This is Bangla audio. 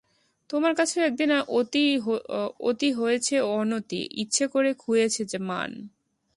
তোমার কাছেও একদিন অতি হয়েছে অনতি, ইচ্ছে করে খুইয়েছে মান।